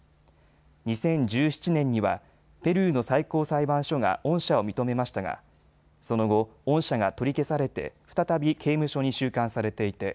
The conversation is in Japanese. ２０１７年にはペルーの最高裁判所が恩赦を認めましたがその後、恩赦が取り消されて再び刑務所に収監されていて